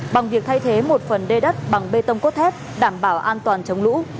bằng việc thay thế một phần đê đất bằng bê tông cốt thép đảm bảo an toàn chống lũ